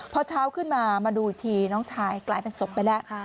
พอเช้าขึ้นมามาดูอีกทีน้องชายกลายเป็นศพไปแล้ว